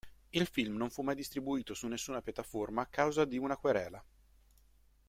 Il film non fu mai distribuito su nessuna piattaforma a causa di una querela.